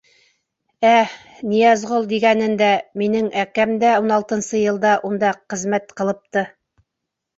— Ә, Ныязғол дигәнендә, минең әкәм дә ун алтынсы йылда унда ҡызмәт ҡылыпты.